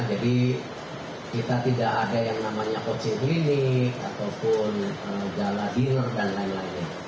kita tidak ada yang namanya coaching klinik ataupun gala dealer dan lain lainnya